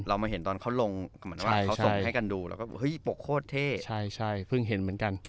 มาเห็นตอนเขาลงเหมือนว่าเขาส่งให้กันดูแล้วก็เฮ้ยปกโคตรเท่เพิ่งเห็นเหมือนกัน